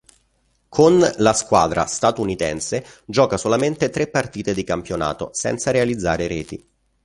Con la squadra statunitense gioca solamente tre partite di campionato, senza realizzare reti.